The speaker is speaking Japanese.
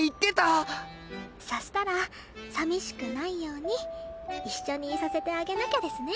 そしたら寂しくないように一緒にいさせてあげなきゃですね。